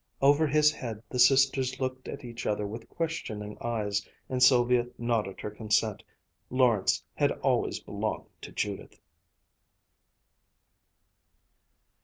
Over his head the sisters looked at each other with questioning eyes; and Sylvia nodded her consent. Lawrence had always belonged to Judith.